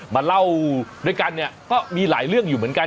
มาเล่าด้วยกันเนี่ยก็มีหลายเรื่องอยู่เหมือนกัน